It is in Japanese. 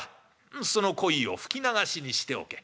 「うんそのこいを吹き流しにしておけ」。